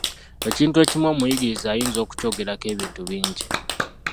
Ekintu ekimu omuyigiriza ayinza okukyogerako ebintu bingi.